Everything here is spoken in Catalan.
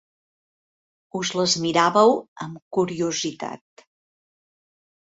Us les miràveu amb curiositat.